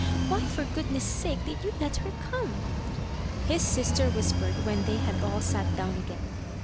why, for goodness' sake, did you let her come? " his sister whispered when they had all sat down again.